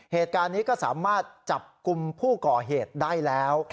เหตุการณ์นี้ก็สามารถจับกลุ่มผู้ก่อเหตุได้แล้ว